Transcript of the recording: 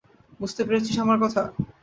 বুঝতে পেরেছিস আমার কথা?